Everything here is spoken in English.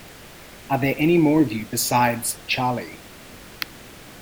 Are there any more of you besides Charley?